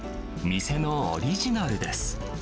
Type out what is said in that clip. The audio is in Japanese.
店のオリジナルです。